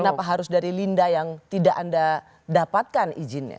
kenapa harus dari linda yang tidak anda dapatkan izinnya